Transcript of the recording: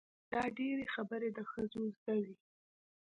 دا ډېرې خبرې د ښځو زده وي.